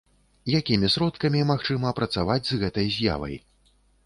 Якімі сродкамі магчыма працаваць з гэтай з'явай?